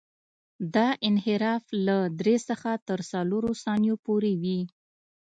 دا انحراف له درې څخه تر څلورو ثانیو پورې وي